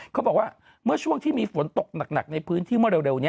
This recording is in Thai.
เขาบอกว่าเมื่อช่วงที่มีฝนตกหนักในพื้นที่เมื่อเร็วนี้